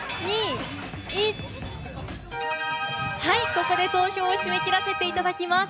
ここで投票を締め切らせていただきます。